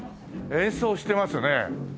演奏してますね。